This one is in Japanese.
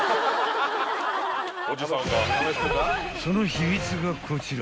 ［その秘密がこちら］